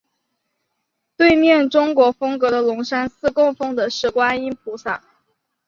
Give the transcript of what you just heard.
对面中国风格的龙山寺供奉的是观音菩萨。